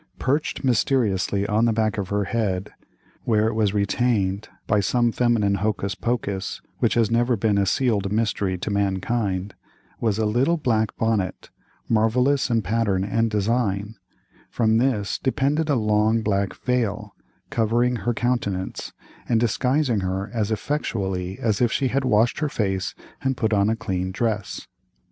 Perched mysteriously on the back of her head, where it was retained by some feminine hocus pocus, which has ever been a sealed mystery to _man_kind, was a little black bonnet, marvellous in pattern and design; from this depended a long black veil, covering her countenance, and disguising her as effectually as if she had washed her face and put on a clean dress.